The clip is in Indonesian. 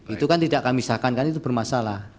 itu kan tidak kami sahkan kan itu bermasalah